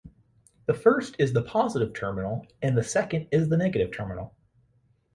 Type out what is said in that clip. The first is the positive terminal and the second is the negative terminal.